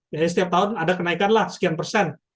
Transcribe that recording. jadi setiap tahun ada kenaikan lah sekian persen